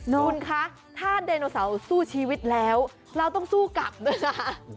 คุณคะถ้าไดโนเสาร์สู้ชีวิตแล้วเราต้องสู้กลับด้วยนะ